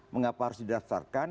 mengapa harus didaftarkan